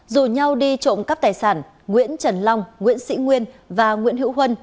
dù nhau đi trộm cắp tài sản nguyễn trần long nguyễn sĩ nguyên và nguyễn hữu huân